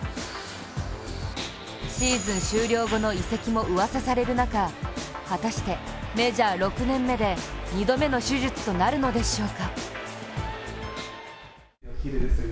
シーズン終了後の移籍もうわさされる中、果たしてメジャー６年目で２度目の手術となるのでしょうか。